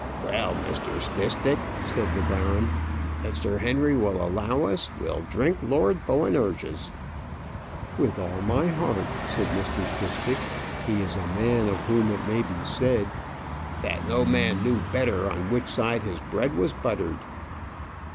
"Well, Mr. Stistick," said the baron; "if Sir Henry will allow us, we'll drink Lord Boanerges." "With all my heart," said Mr. Stistick. "He is a man of whom it may be said " "That no man knew better on which side his bread was buttered."